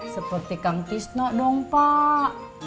seperti kang tisno dong pak